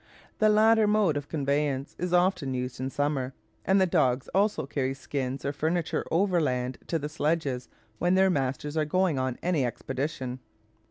The latter mode of conveyance is often used in summer, and the dogs also carry skins or furniture overland to the sledges when their masters are going on any expedition.